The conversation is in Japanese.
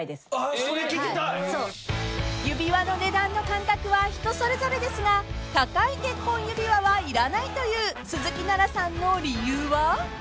［指輪の値段の感覚は人それぞれですが高い結婚指輪はいらないという鈴木奈々さんの理由は］